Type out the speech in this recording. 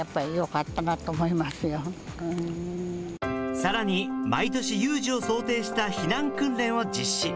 さらに毎年、有事を想定した避難訓練を実施。